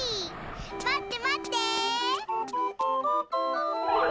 まってまって！